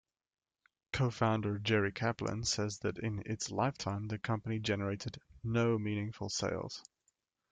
Co-founder Jerry Kaplan says that in its lifetime, the company generated "no meaningful sales".